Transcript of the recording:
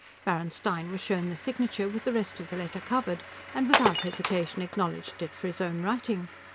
Baron Stein was shown the signature, with the rest of the letter covered, and without hesitation acknowledged it for his own writing.